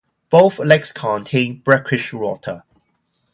Both lakes contain brackish water.